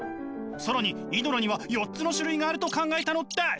更にイドラには４つの種類があると考えたのです！